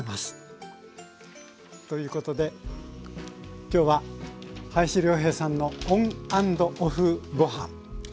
ということで今日は林亮平さんの「ＯＮ＆ＯＦＦごはん」。